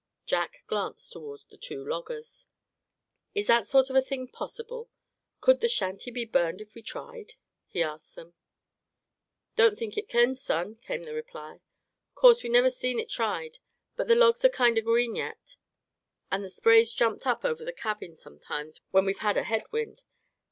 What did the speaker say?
Jack glanced toward the two loggers. "Is that sort of a thing possible; could the shanty be burned if we tried?" he asked them. "Don't think it kin, son," came the reply. "Course we never seen it tried; but them logs are kinder green yet, and the spray's jumped up over the cabin sometimes when we had a headwind.